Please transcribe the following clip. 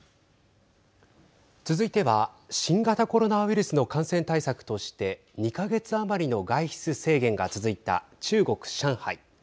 続いては新型コロナウイルスの感染対策として２か月余りの外出制限が続いた中国、上海。